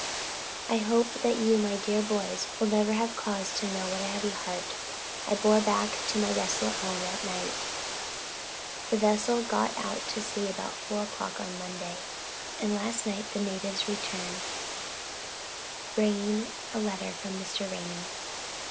I hope that you, my dear boys, will never have cause to know what a heavy heart I bore back to my desolate home that night. The vessel got out to sea about 4 o'clock on Monday, and last night the natives returned, bringing a letter from Mr. Ranney.